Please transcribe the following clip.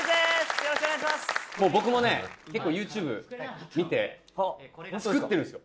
もう僕もね結構ＹｏｕＴｕｂｅ見てホントですか作ってるんですよ